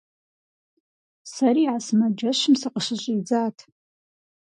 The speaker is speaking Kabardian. Сэри а сымаджэщым сыкъыщыщӏидзат.